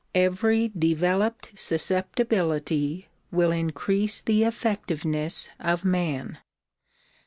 Every developed susceptibility will increase the effectiveness of man.